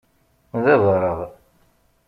D abaṛeɣ.